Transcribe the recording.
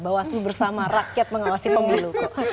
bawaslu bersama rakyat mengawasi pemilu kok